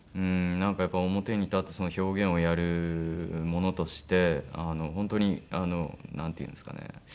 なんかやっぱ表に立って表現をやる者として本当になんていうんですかね。